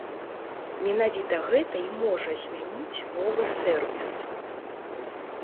Менавіта гэта і можа змяніць новы сэрвіс.